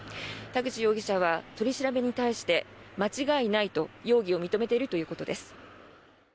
田口容疑者は取り調べに対して間違いないと容疑を認めているということです。